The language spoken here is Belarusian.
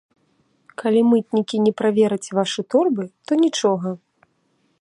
Калі мытнікі не правераць вашы торбы, то нічога.